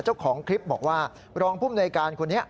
เจ้าของคลิปบอกว่ารองพุ่มในการคนนี้